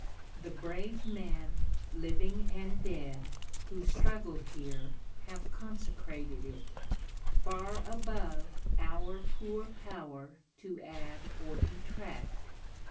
The brave men, living and dead, who struggled here have consecrated it, far above our poor power to add or detract.